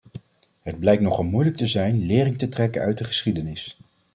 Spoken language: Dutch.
Het blijkt nogal moeilijk te zijn lering te trekken uit de geschiedenis.